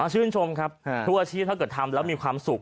ชื่นชมครับทุกอาชีพถ้าเกิดทำแล้วมีความสุข